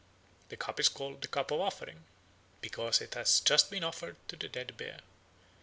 The cup is called "the cup of offering" because it has just been offered to the dead bear.